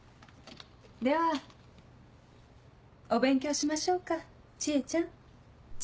ではお勉強しましょうか知恵ちゃん。